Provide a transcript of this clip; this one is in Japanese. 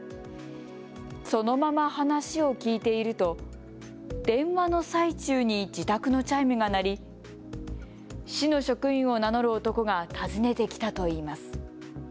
そのまま話を聞いていると電話の最中に自宅のチャイムが鳴り市の職員を名乗る男が訪ねてきたといいます。